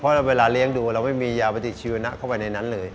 เพราะเวลาเลี้ยงดูเราไม่มียาปฏิชีวนะเข้าไปในนั้นเลย